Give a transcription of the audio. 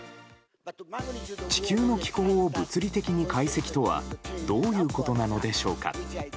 地球の気候を物理的に解析とはどういうことなのでしょうか。